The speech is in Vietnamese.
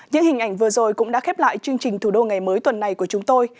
những hình ảnh vừa rồi cũng đã khép lại chương trình thủ đô ngày mới tuần này của chúng tôi